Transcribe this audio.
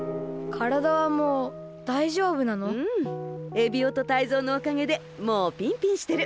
エビオとタイゾウのおかげでもうピンピンしてる。